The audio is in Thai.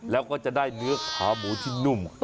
แล้วก็จะได้เนื้อขาหมูที่นุ่ม